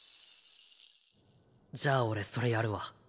じゃあ俺それやるわ。